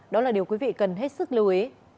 đó là điều quý vị cần hết sức lưu ý